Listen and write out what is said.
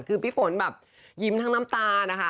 คือพี่ฝนแบบยิ้มทั้งน้ำตานะคะ